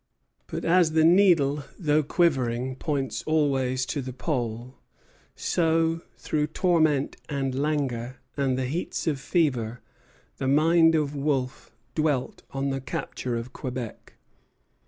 But as the needle, though quivering, points always to the pole, so, through torment and languor and the heats of fever, the mind of Wolfe dwelt on the capture of Quebec.